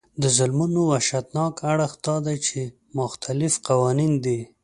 د ظلمونو وحشتناک اړخ دا دی چې مختلف قوانین دي.